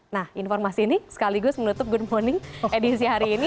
nah informasi ini sekaligus menutup good morning edisi hari ini